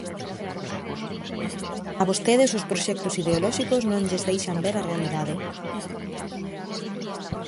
A vostedes os proxectos ideolóxicos non lles deixan ver a realidade.